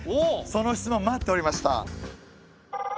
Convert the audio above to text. その質問待っておりました。